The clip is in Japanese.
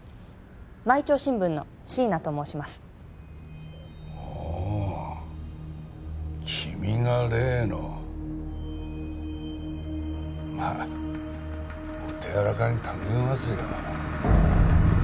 毎朝新聞の椎名と申しますああ君が例のまあお手柔らかに頼みますよ